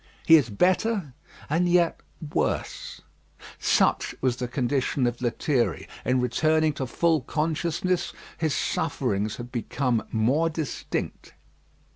He is better, and yet worse. Such was the condition of Lethierry. In returning to full consciousness, his sufferings had become more distinct.